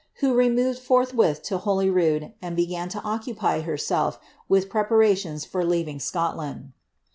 who removed forthwith to Holyruod, and began to occupy herself «ri.i preparations for leaving Scotland.